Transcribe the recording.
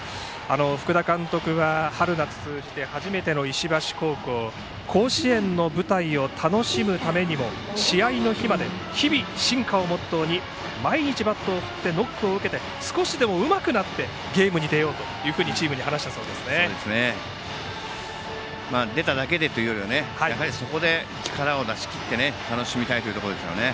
福田監督は春夏通じて初めての石橋高校甲子園の舞台を楽しむためにも試合の日まで日々進化をモットーに毎日バットを振ってノックを受けて少しでもうまくなってゲームに出ようと出ただけで、というよりもやはりそこで力を出し切って楽しみたいところですからね。